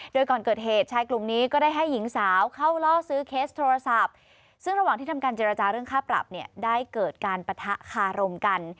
โดยก่อนเกิดเหตุชายกลุ่มนี้ก็ได้ให้หญิงสาวเข้าล่อซื้อเคสโทรศัพท์ซึ่งระหว่างที่ทำการเจรจาเรื่องค่าปรับเนี่ยได้เกิดการปะทะคารมกัน